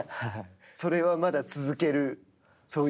それはまだ続ける、そういう。